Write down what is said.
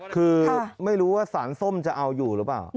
คือไม่รู้ว่าสารส้มจะเอาอยู่หรือเปล่า